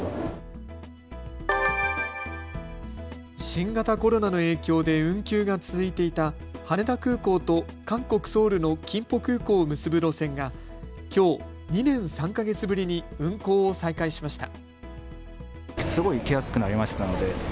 新型コロナの影響で運休が続いていた羽田空港と韓国・ソウルのキンポ空港を結ぶ路線がきょう２年３か月ぶりに運航を再開しました。